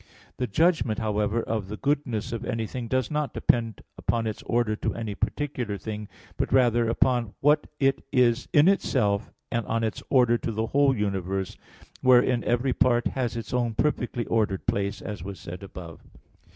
The judgment, however, of the goodness of anything does not depend upon its order to any particular thing, but rather upon what it is in itself, and on its order to the whole universe, wherein every part has its own perfectly ordered place, as was said above (Q.